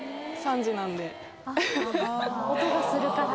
音がするから。